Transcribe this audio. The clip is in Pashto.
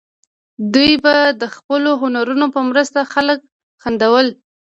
دوی به د خپلو هنرونو په مرسته خلک خندول.